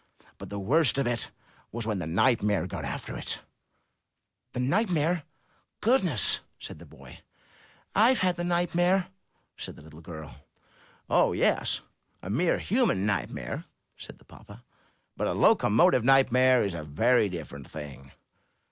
But the worst of it was when the nightmare got after it/' *The nightmare? Goodness!'' said the boy. 'I've had the nightmare," said the little girl. ''Oh yes, a mere human nightmare," said the papa. *'But a locomotive nightmare is a very different thing."